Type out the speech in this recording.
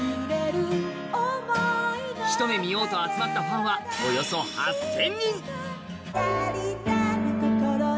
一目見ようと集まったファンはおよそ８０００人。